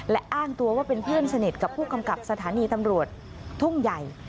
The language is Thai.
และอ้างตัวว่าเป็นเพื่อนสนิทกับผู้กำกับสถานีตำรวจทุ่งใหญ่